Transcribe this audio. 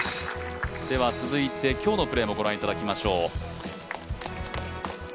続いて今日のプレーも御覧いただきましょう。